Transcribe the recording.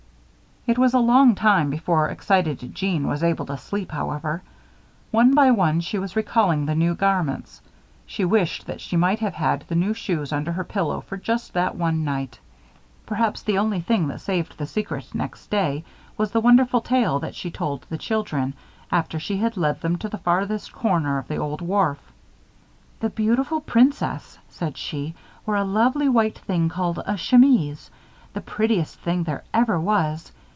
It was a long time before excited Jeanne was able to sleep, however. One by one she was recalling the new garments. She wished that she might have had the new shoes under her pillow for just that one night. Perhaps the only thing that saved the secret next day was the wonderful tale that she told the children, after she had led them to the farthest corner of the old wharf. "The beautiful princess," said she, "wore a lovely white thing called a chemise the prettiest thing there ever was.